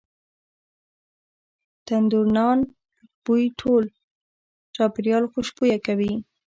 تنوردنان بوی ټول چاپیریال خوشبویه کوي.